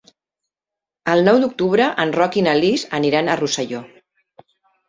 El nou d'octubre en Roc i na Lis aniran a Rosselló.